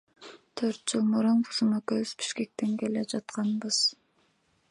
Төрт жыл мурун кызым экөөбүз Бишкектен келе жатканбыз.